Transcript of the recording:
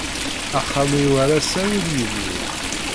Axxam-iw ar ass-a ur yebni.